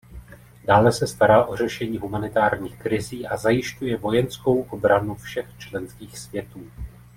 Dále se stará o řešení humanitárních krizí a zajišťuje vojenskou obranu všech členských světů.